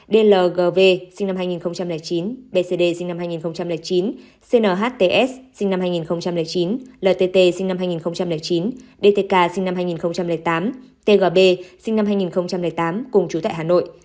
dlv sinh năm hai nghìn chín bcd sinh năm hai nghìn chín chts sinh năm hai nghìn chín lt sinh năm hai nghìn chín dtk sinh năm hai nghìn tám tgb sinh năm hai nghìn tám cùng chú tại hà nội